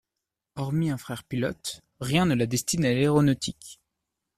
Hormis un frère pilote, rien ne la destine à l'aéronautique.